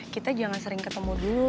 kita jangan sering ketemu dulu